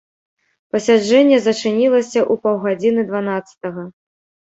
Пасяджэнне зачынілася ў паўгадзіны дванаццатага.